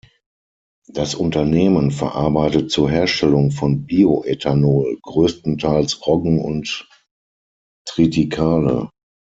Das Unternehmen verarbeitet zur Herstellung von Bioethanol größtenteils Roggen und Triticale.